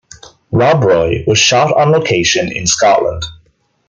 "Rob Roy" was shot on location in Scotland.